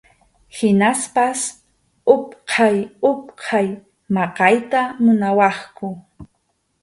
Hinaspas utqay utqay maqayta munawaqku.